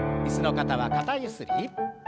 椅子の方は肩ゆすり。